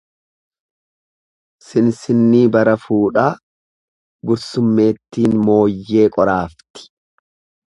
Sinsinnii bara fuudhaa, gursummeettiin mooyyee qoraafti.